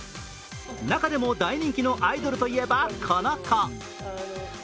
中でも大人気のアイドルといえばこの子。